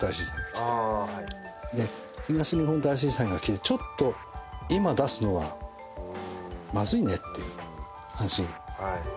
東日本大震災が来てちょっと今出すのはまずいねっていう話になりました。